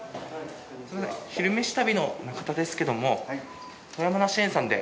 「昼めし旅」の中田ですけれども遠山梨園さんで。